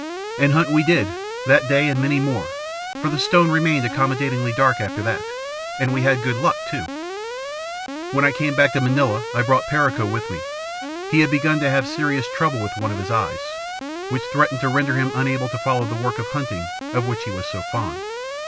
"And hunt we did, that day, and many more for the stone remained accommodatingly dark after that and we had good luck, too. "When I came back to Manila I brought Perico with me. He had begun to have serious trouble with one of his eyes, which threatened to render him unable to follow the work of hunting of which he was so fond.